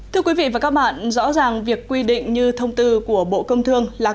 thưa quý vị và các bạn rõ ràng việc quy định như thông tư của bộ công thương là